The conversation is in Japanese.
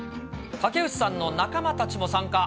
竹内さんの仲間たちも参加。